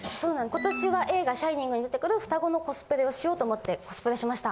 今年は映画『シャイニング』に出てくる双子のコスプレをしようと思ってコスプレしました。